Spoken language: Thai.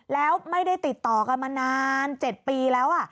แล้วไม่ได้ติดต่อกันมานาน๗ปีแล้ว